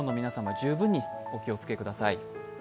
十分にお気をつけください。